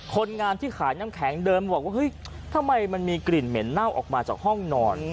คนงานที่ขายน้ำแข็งเดินบอกว่าเฮ้ยทำไมมันมีกลิ่นเหม็นเน่าออกมาจากห้องนอน